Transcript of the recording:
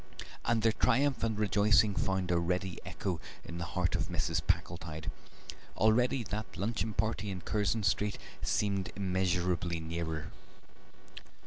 And their triumph and rejoicing found a ready echo in the heart of Mrs. Packletide; already that luncheon party in Curzon Street seemed immeasurably nearer.